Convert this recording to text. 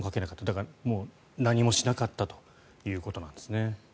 だから、何もしなかったということなんですね。